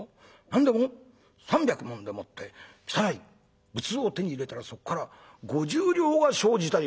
何でも３百文でもって汚い仏像を手に入れたらそこから５０両が生じた」。